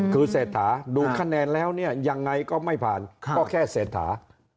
คือเศรษฐาดูคะแนนแล้วเนี่ยยังไงก็ไม่ผ่านก็แค่เศรษฐา